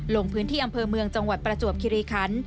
ลงพื้นที่อำเภอเมืองจังหวัดประจวบคิริคัน